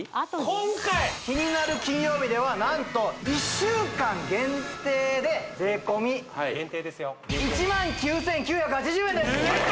今回「キニナル金曜日」では何と１週間限定で税込限定ですよ１万９９８０円ですえっ！